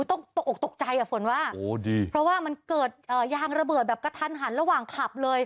ต้องตกออกตกใจอ่ะฝนว่าเพราะว่ามันเกิดยางระเบิดแบบกระทันหันระหว่างขับเลย